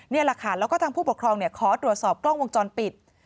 นี่แหละค่ะแล้วก็ทางผู้ปกครองขอตรวจสอบกล้องวงจรปิด